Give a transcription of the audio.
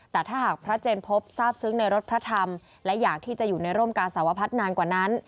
แต่ถ้าหากพระเจนพบทราบซึ้งในรถพระธรรมและอยากที่จะอยู่ในร่มกาสาวพัฒน์นานกว่านั้น